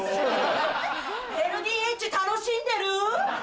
ＬＤＨ楽しんでる？